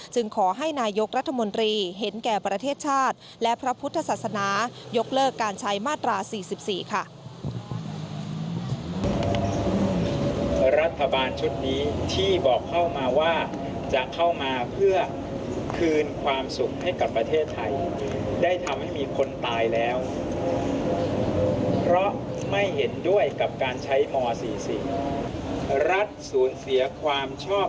ขอให้นายกรัฐมนตรีเห็นแก่ประเทศชาติและพระพุทธศาสนายกเลิกการใช้มาตรา๔๔ค่ะ